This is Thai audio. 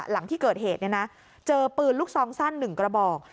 หลังที่เกิดเหตุเจอปืนลูกซองสั้น๑กระบอก